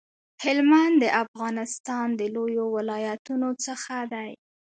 هلمند د افغانستان د لویو ولایتونو څخه دی